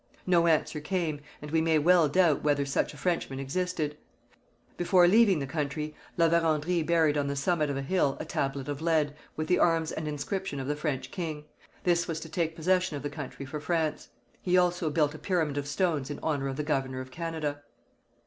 No answer came, and we may well doubt whether such a Frenchman existed. Before leaving the country, La Vérendrye buried on the summit of a hill a tablet of lead, with the arms and inscription of the French king. This was to take possession of the country for France. He also built a pyramid of stones in honour of the governor of Canada.